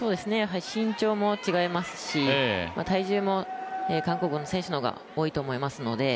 身長も違いますし体重も韓国の選手の方が多いと思いますので。